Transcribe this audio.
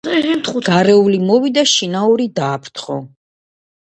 გარეული მოვიდა, შინაური დააფრთხო